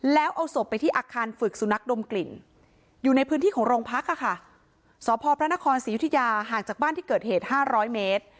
แล้วเอาศพไปที่อาคารฝึกสุนัขดมกลิ่นอยู่ในพื้นที่ของโรงพักค่ะสพพระนครศรียุธยาห่างจากบ้านที่เกิดเหตุ๕๐๐เมตร